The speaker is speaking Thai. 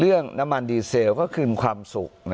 เรื่องน้ำมันดีเซลก็คืนความสุข